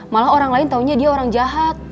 malah orang lain taunya dia orang jahat